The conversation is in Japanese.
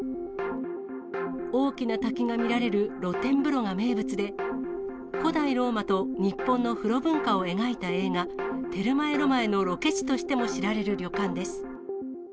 大きな滝が見られる露天風呂が名物で、古代ローマと日本の風呂文化を描いた映画、テルマエ・ロマエのロケ地としても知られる旅館です。